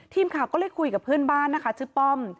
ทีมข่าวก็เลยคุยกับเพื่อนบ้านนะคะชื่อป้อม